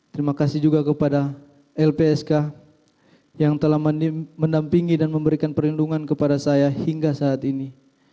terima kasih juga kepada lpsk yang telah mendampingi dan memberikan perlindungan kepada saya hingga saat ini